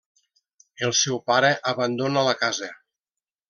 El seu pare abandona la casa.